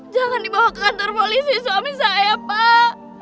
jangan dibawa ke kantor polisi suami saya pak